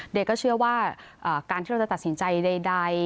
เดี๋ยวก็เชื่อว่าการที่เราจะตัดสินใจใด